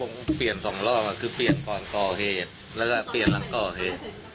ผมเปลี่ยนสองรอบคือเปลี่ยนก่อนก่อเหตุแล้วก็เปลี่ยนหลังก่อเหตุ